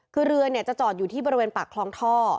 คือเรือจะจอดอยู่ที่บริเวณปากคลองท่อ